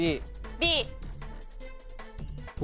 Ｂ。